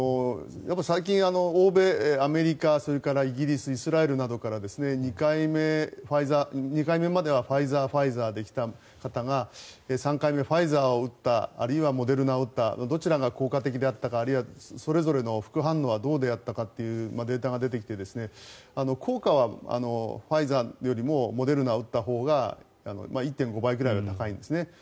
最近、欧米アメリカ、それからイギリスイスラエルなどから２回目まではファイザーファイザーで来た方が３回目ファイザーを打ったあるいはモデルナを打ったどちらが効果的だったかあるいはそれぞれの副反応はどうだったかというデータが出てきて効果はファイザーよりもモデルナを打ったほうが１．５倍くらいは高いんです。